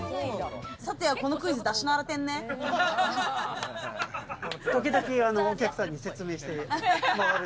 さては、このクイズ出し慣れ時々お客さんに説明して。